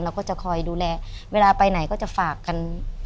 ก็จะคอยดูแลเวลาไปไหนก็จะฝากกัน